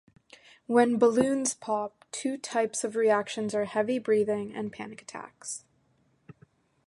When balloons pop, two types of reactions are heavy breathing and panic attacks.